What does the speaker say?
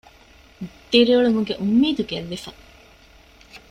ދިރިއުޅުމުގެ އުންމީދު ގެއްލިފަ